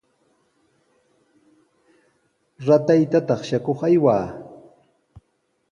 Ratayta taqshakuq aywaa.